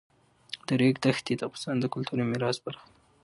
د ریګ دښتې د افغانستان د کلتوري میراث برخه ده.